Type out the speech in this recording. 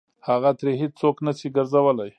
هغه ترې هېڅ څوک نه شي ګرځولی.